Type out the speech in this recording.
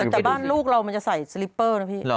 แต่บ้านลูกเรามันจะใส่สลิปเปอร์นะพี่